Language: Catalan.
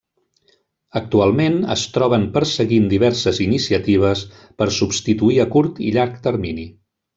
Actualment, es troben perseguint diverses iniciatives per substituir a curt i llarg termini.